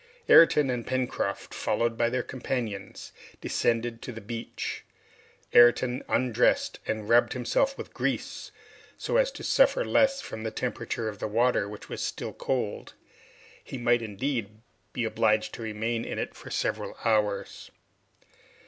Ayrton and Pencroft, followed by their companions, descended to the beach. Ayrton undressed and rubbed himself with grease, so as to suffer less from the temperature of the water, which was still cold. He might, indeed, be obliged to remain in it for several hours.